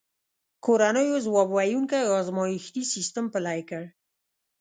کورنیو ځواب ویونکی ازمایښتي سیستم پلی کړ.